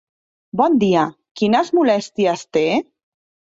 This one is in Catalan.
Bon dia, quines molèsties té?